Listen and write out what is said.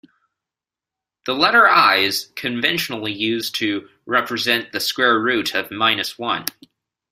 The letter i is conventionally used to represent the square root of minus one.